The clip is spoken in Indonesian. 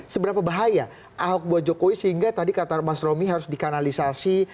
seberapa bahaya ahok buat jokowi sehingga tadi kata mas romi harus dikanalisasi